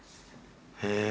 へえ！